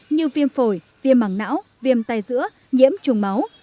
như viêm phổi viêm mẳng não viêm tai dữa nhiễm trùng máu